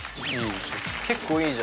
結構いいじゃん。